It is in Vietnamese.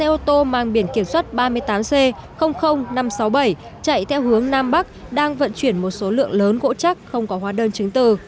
xe ô tô mang biển kiểm soát ba mươi tám c năm trăm sáu mươi bảy chạy theo hướng nam bắc đang vận chuyển một số lượng lớn gỗ chắc không có hóa đơn chứng từ